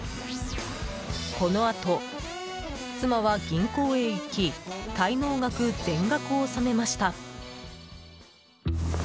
このあと、妻は銀行へ行き滞納額全額を納めました。